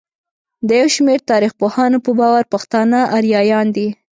د يوشمېر تاريخپوهانو په باور پښتانه اريايان دي.